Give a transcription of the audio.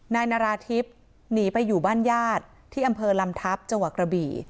นายนาราธิบหนีไปอยู่บ้านญาติที่อำเภอลำทัพจังหวัดกระบี่